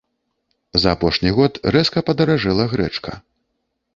За апошні год рэзка падаражэла грэчка.